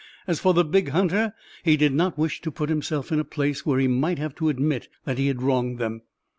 As for the big hunter, he did not wish to put himself in a place where he might have to admit that he had wronged them.